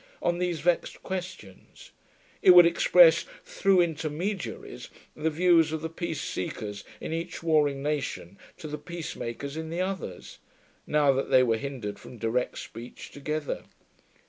on these vexed questions; it would express through intermediaries the views of the peace seekers in each warring nation to the peace makers in the others, now that they were hindered from direct speech together.